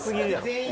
全員？